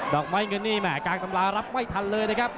อกไม้เงินนี่แห่กลางตำรารับไม่ทันเลยนะครับ